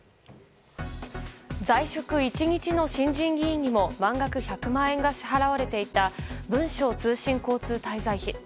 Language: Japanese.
在職１日の新人議員にも満額１００万円が支払われていた文書通信交通滞在費。